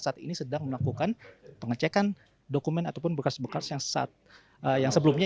saat ini sedang melakukan pengecekan dokumen ataupun bekas bekas yang sebelumnya